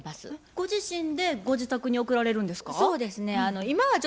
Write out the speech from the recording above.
ご自身でご自宅に送られるんですか？